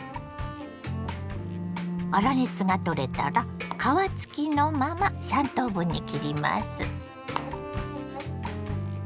粗熱が取れたら皮付きのまま３等分に切ります。